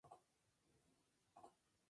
Su capital es Rize.